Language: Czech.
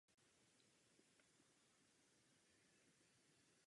Po rozpadu kapely se hudbě na čas přestal věnovat.